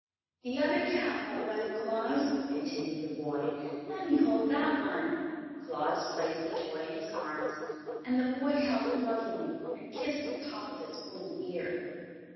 "The other cat won't run, Claus," continued the boy. "Let me hold that one." Claus placed the toy in his arms, and the boy held it lovingly and kissed the tip of its wooden ear.